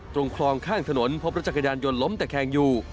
ตรงคลองข้างถนนพบรถจักรยานยนต์ล้มตะแคงอยู่